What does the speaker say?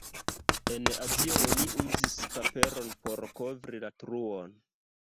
En Azio oni uzis paperon por kovri la truon.